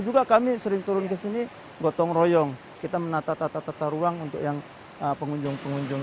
juga kami sering turun ke sini gotong royong kita menata tata tata ruang untuk yang pengunjung pengunjung